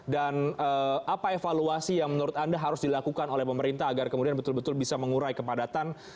dan apa evaluasi yang menurut anda harus dilakukan oleh pemerintah agar kemudian betul betul bisa mengurai kepadatan